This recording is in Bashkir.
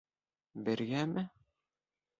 Бергәме?